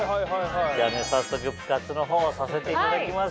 ではね早速プ活の方をさせていただきます。